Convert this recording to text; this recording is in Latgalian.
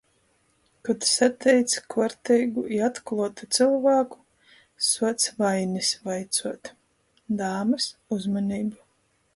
Kod sateic kuorteigu i atkluotu cylvāku, suoc vainis vaicuot... Dāmys, uzmaneibu!